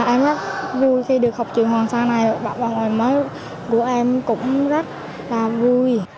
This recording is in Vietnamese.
em rất vui khi được học trường hoàng sa này bạn vào ngày mới của em cũng rất là vui